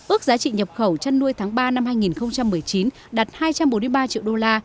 ước giá trị nhập khẩu chăn nuôi tháng ba năm hai nghìn một mươi chín đạt hai trăm bốn mươi ba triệu đô la